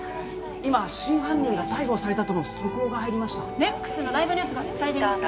今新犯人が逮捕されたとの速報が入りましたＮＥＸのライブニュースが伝えています